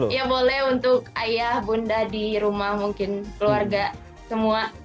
ya boleh untuk ayah bunda di rumah mungkin keluarga semua